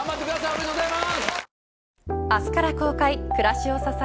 おめでとうございます！